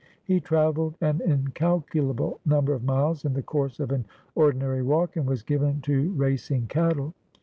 He travelled an incalculable number of miles in the course of an ordinary walk, and was given to racing cattle.